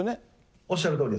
おっしゃるとおりです。